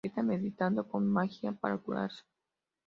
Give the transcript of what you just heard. Está meditando con magia para curarse.